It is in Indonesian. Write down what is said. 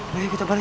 mari kita balik